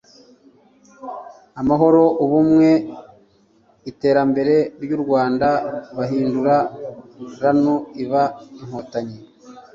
amahoro, ubumwe n'iterambere ry'u Rwanda, bahindura RANU iba “ Inkotanyi